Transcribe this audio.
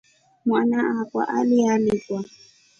Mwana akwa alialikwa.